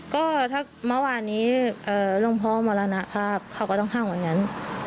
ก็ถ้ามาวันนี้ร่องพอมรณภาพเค้าก็ต้องขังวันนั้น